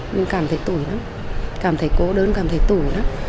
mình cảm thấy tủi lắm cảm thấy cô đơn cảm thấy tủi lắm